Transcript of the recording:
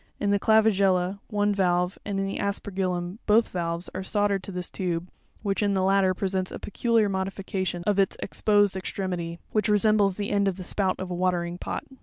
In the Clavigella one valve, and in the Aspergillum both valves, are soldered to this tube, which, in the latter, presents a peculiar modification of its exposed extremity, which resembles the end of the spout of a watering pot.